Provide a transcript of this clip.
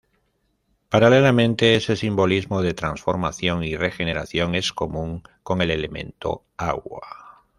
Paralelamente, ese simbolismo de transformación y regeneración es común con el elemento agua.